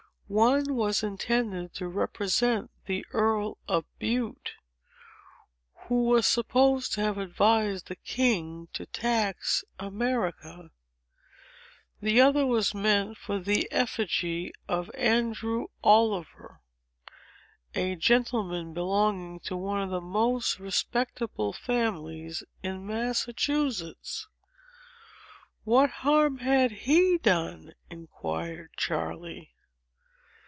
One was intended to represent the Earl of Bute, who was supposed to have advised the king to tax America. The other was meant for the effigy of Andrew Oliver, a gentleman belonging to one of the most respectable families in Massachusetts." "What harm had he done?" inquired Charley.